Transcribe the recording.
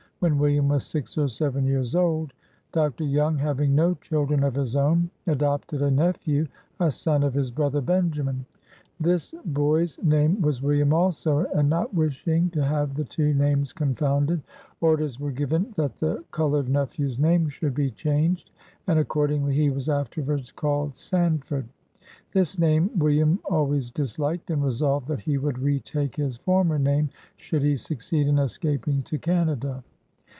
When William was six or seven years old, Dr. Young, having no children of his own, adopted a nephew, a son of his brother Benjamin. This boy's name was William, also, and not wishing to have the two names confounded, orders were given that the col ored nephew's name should be changed, and accordingly he was afterwards called " Sanford." This name Wil liam always disliked, and resolved that he would retake his former name should he succeed in escaping to Can ada.